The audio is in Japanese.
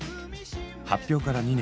発表から２年。